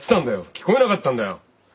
聞こえなかったんだよ。